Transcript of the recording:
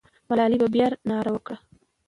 ملالۍ به بیا ناره وکړي.